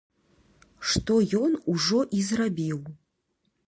Што ён ужо і зрабіў.